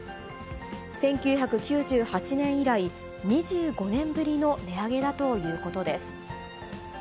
１９９８年以来、２５年ぶりの値上げだということです。